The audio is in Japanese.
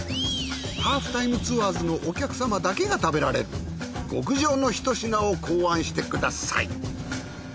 『ハーフタイムツアーズ』のお客様だけが食べられる極上の一品を考案してください。